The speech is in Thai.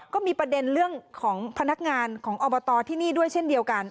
ก็มีประเด็นเรื่องของพนักงานของอบตที่นี่ด้วยเช่นเดียวกัน